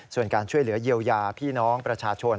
ส่วนการช่วยเหลือเยียวยาพี่น้องประชาชน